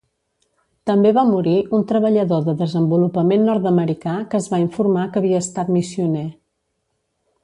També va morir un treballador de desenvolupament nord-americà, que es va informar que havia estat missioner.